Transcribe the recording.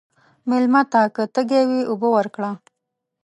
مېلمه ته که تږی وي، اوبه ورکړه.